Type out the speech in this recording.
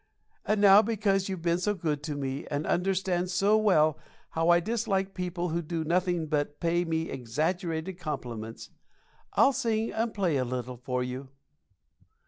And now, because you've been so good to me, and understand so well how I dislike people who do nothing but pay me exaggerated compliments, I'll sing and play a little for you."